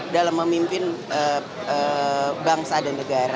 dalam memimpin bangsa dan negara